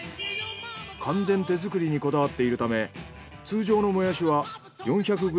完全手作りにこだわっているため通常のもやしは４００ｇ